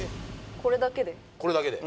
これだけで。